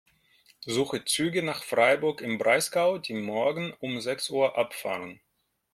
Suche Züge nach Freiburg im Breisgau, die morgen um sechs Uhr abfahren.